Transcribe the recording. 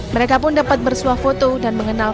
mereka pun dapat bersuah foto dan mengenal